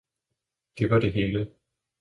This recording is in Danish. »Det var det Hele!